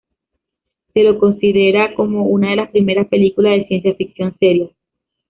Se lo considera como una de las primeras películas de ciencia ficción "serias".